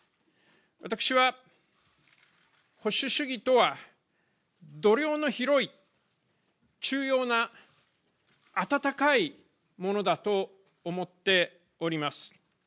私は、保守主義とは度量の広い中庸な温かいものだと思っております。